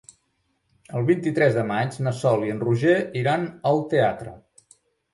El vint-i-tres de maig na Sol i en Roger iran al teatre.